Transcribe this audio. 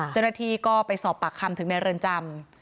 เจ้าหน้าที่ก็ไปสอบปากคำถึงในเรือนจำ